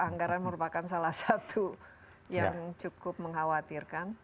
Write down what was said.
anggaran merupakan salah satu yang cukup mengkhawatirkan